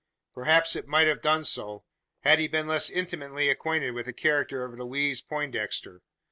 Perhaps it might have done so, had he been less intimately acquainted with the character of Louise Poindexter.